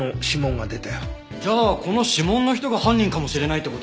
じゃあこの指紋の人が犯人かもしれないって事？